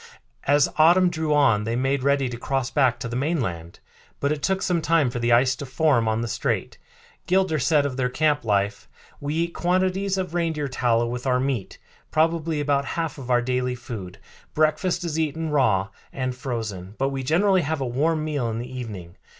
As autumn drew on they made ready to cross back to the mainland; but it took some time for the ice to form on the strait. Gilder said of their camp life: "We eat quantities of reindeer tallow with our meat, probably about half of our daily food. Breakfast is eaten raw and frozen, but we generally have a warm meal in the evening.